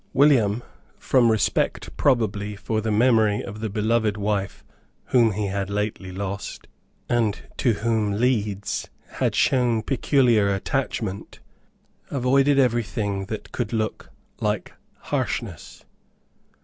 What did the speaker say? William, from respect probably for the memory of the beloved wife whom he had lately lost, and to whom Leeds had shown peculiar attachment, avoided every thing that could look like harshness.